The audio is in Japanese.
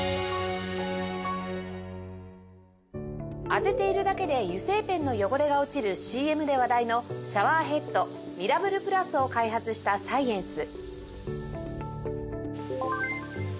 当てているだけで油性ペンの汚れが落ちる ＣＭ で話題のシャワーヘッドミラブル ｐｌｕｓ を開発したサイエンス